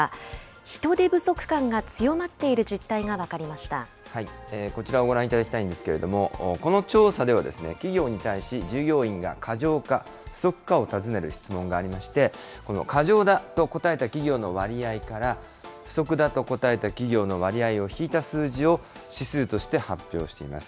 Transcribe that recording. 人手不足感が強まっている実態がこちらをご覧いただきたいんですけれども、この調査では、企業に対し従業員が過剰か、不足かを尋ねる質問がありまして、この過剰だと答えた企業の割合から、不足だと答えた企業の割合を引いた数字を指数として発表しています。